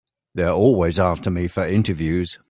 They're always after me for interviews.